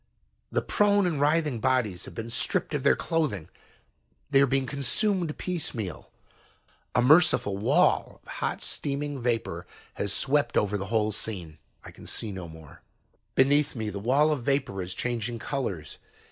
"The prone and writhing bodies have been stripped of their clothing. They are being consumed piecemeal. "A merciful wall of hot, steaming vapor has swept over the whole scene. I can see no more. "Beneath me the wall of vapor is changing colors.